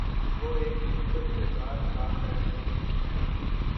وہ ایک مثبت کردار ادا کرسکتے ہیں۔